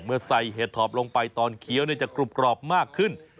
เมื่อใส่เห็ดถอบลงไปตอนเคี้ยวจะกรุบกรอบมากขึ้น